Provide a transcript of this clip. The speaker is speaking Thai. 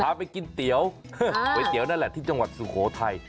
พาไปกินเต๋วยเต๋วยนั่นแหละที่จังหวัดสุโขแทย